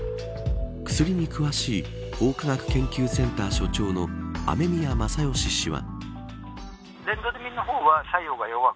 薬に詳しい法科学研究センター所長の雨宮正欣氏は。